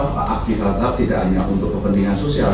pak akibat tidak hanya untuk kepentingan sosial